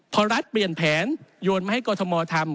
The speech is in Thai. พอรัฐเปลี่ยนแผนโยนมาให้กรทมทำ